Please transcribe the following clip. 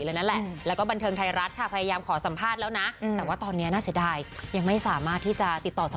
แล้วนั่นแหละก็พยายามขอสัมภาษณ์แล้วนะแต่ว่าตอนเนี้ยน่าจะได้ยังไม่สามารถที่จะติดต่อสัมภาษณ์